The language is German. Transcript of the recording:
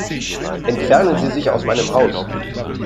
Entfernen Sie sich aus meinem Haus.